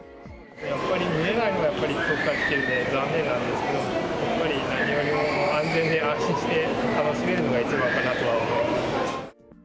やっぱり見られないのは、遠くから来ているので残念なんですけど、やっぱり何よりも安全で安心して楽しめるのが一番かなとは思いま